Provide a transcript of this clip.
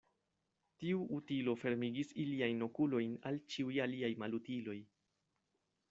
Tiu utilo fermigis iliajn okulojn al ĉiuj aliaj malutiloj.